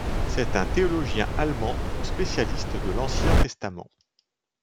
C'est un théologien allemand spécialiste de l'Ancien Testament.